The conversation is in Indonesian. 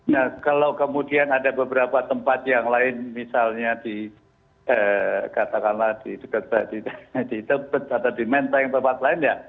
nah kalau kemudian ada beberapa tempat yang lain misalnya di katakanlah di dekat di tebet atau di menteng tempat lain ya